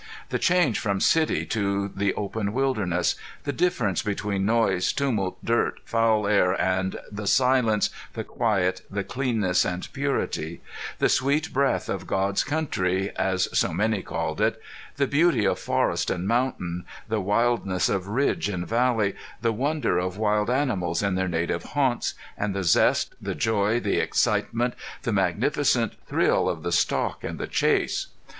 The change from city to the open wilderness; the difference between noise, tumult, dirt, foul air, and the silence, the quiet, the cleanness and purity; the sweet breath of God's country as so many called it; the beauty of forest and mountain; the wildness of ridge and valley; the wonder of wild animals in their native haunts; and the zest, the joy, the excitement, the magnificent thrill of the stalk and the chase.